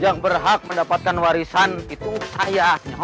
yang berhak mendapatkan warisan itu saya